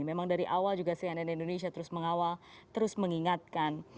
memang dari awal juga cnn indonesia terus mengawal terus mengingatkan